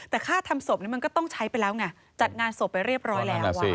แต่ค่าทำศพมันก็ต้องใช้ไปแล้วไงจัดงานศพไปเรียบร้อยแล้ว